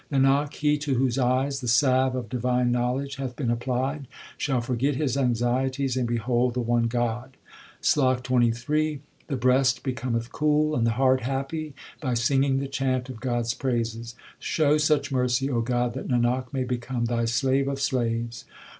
Nanak, he to whose eyes the salve of divine knowledge hath been applied, Shall forget his anxieties and behold the one God. SLOK XXIII The breast becometh cool and the heart happy by singing the chant of God s praises ; Show such mercy, O God, that Nanak may become Thy slave of slaves.